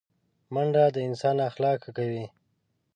منډه د انسان اخلاق ښه کوي